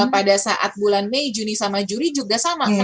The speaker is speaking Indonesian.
pada saat bulan mei juni sama juli juga sama